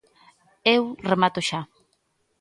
Eu remato xa.